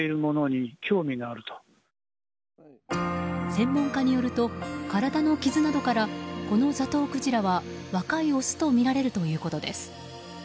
専門家によると体の傷などからこのザトウクジラは、若いオスとみられるということです。